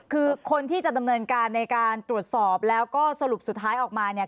คือคนที่จะดำเนินการในการตรวจสอบแล้วก็สรุปสุดท้ายออกมาเนี่ย